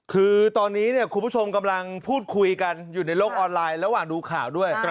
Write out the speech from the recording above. คือตอนนี้คุณผู้ชมกำลังพูดคุยกันอยู่ในโลกออนไลน์ระหว่างดูข่าวด้วย